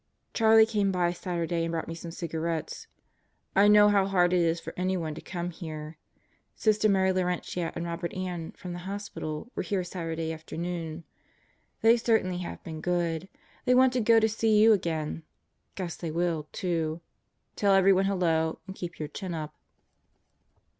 Charlie came by Saturday and brought me some cigarettes. I know how hard it is for anyone to come here. Sisters Mary Laurentia and Robert Ann, from the hospital, were here Saturday afternoon. They certainly have been good. They want to go to see you again. Guess they will, too. Tell everyone hello and keep your chin up.